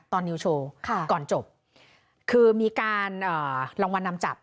นิวโชว์ค่ะก่อนจบคือมีการรางวัลนำจับ